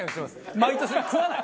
毎年食わない。